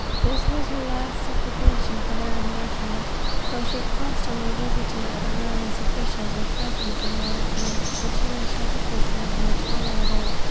This was her last application for their enlargement, though she constantly visited the various officials with presents in order to make the situation of the prisoners more tolerable.